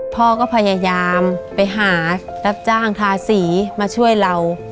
พ่อก็พยายามไปหารับจ้างทาสีมาช่วยเรา